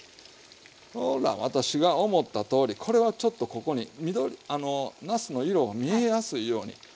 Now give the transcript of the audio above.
ほら私が思ったとおりこれはちょっとここになすの色が見えやすいように。